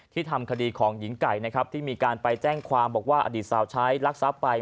ทำคดีของหญิงไก่นะครับที่มีการไปแจ้งความบอกว่าอดีตสาวใช้ลักทรัพย์ไป